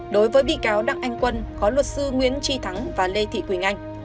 đối với bị cáo đặng anh quân có luật sư nguyễn tri thắng và lê thị quỳnh anh